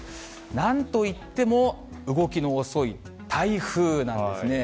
なんといっても、動きの遅い台風なんですね。